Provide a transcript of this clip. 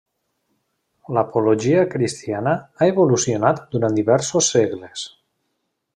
L'apologia cristiana ha evolucionat durant diversos segles.